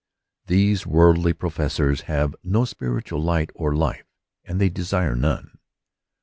These worldly professors have no spiritual light or life, and they desire none.